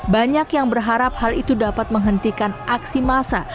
banyak yang berharap hal itu dapat menghentikan aksi massa